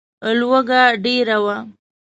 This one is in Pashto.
لوږه ډېره وه.